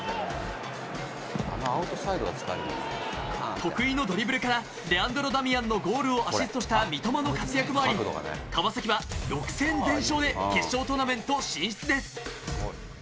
得意のドリブルからレアンドロ・ダミアンのゴールをアシストした三笘の活躍もあり、川崎は６戦全勝で決勝トーナメント進出です。